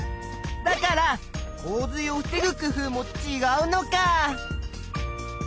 だから洪水を防ぐ工夫もちがうのか。